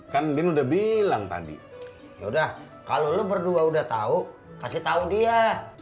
kan udah bilang tadi ya udah kalau lu berdua udah tahu kasih tahu dia